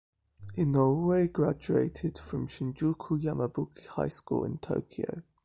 Inoue graduated from Shinjuku Yamabuki High School in Tokyo.